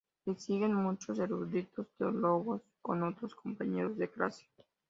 Le siguen muchos eruditos teólogos con otros compañeros de clase.